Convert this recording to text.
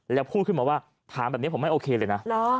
แล้วพูดขึ้นมาว่าถามแบบนี้ผมไม่โอเคเลยนะ